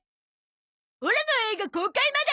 オラの映画公開まで。